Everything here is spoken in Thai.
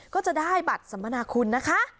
ก็จะได้บัตรสัมมนาคุณนะคะ